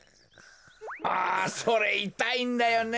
あそれいたいんだよね。